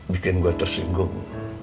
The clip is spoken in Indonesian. bikin gue tersinggung